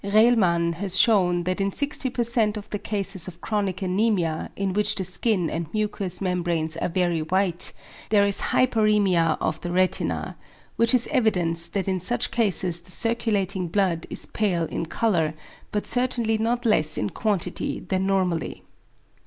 Ræhlmann has shewn that in 60% of the cases of chronic anæmia, in which the skin and mucous membranes are very white, there is hyperæmia of the retina which is evidence that in such cases the circulating blood is pale in colour, but certainly not less in quantity than normally.